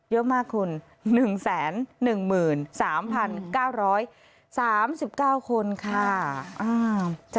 เยอะมากคุณหนึ่งแสนหนึ่งหมื่นสามพันเก้าร้อยสามสิบเก้าคนค่ะอ่า